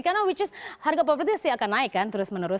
karena harga properti akan naik terus menerus